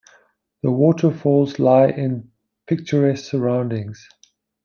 The waterfalls lie in picturesque surroundings.